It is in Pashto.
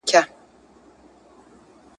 د مرګ غېږ ته ورغلی یې نادانه !.